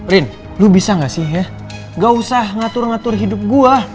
rin lu bisa gak sih ya gak usah ngatur ngatur hidup gua